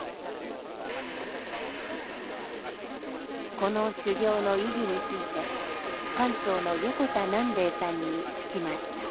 この修行の意義について管長の横田南嶺さんに聞きました。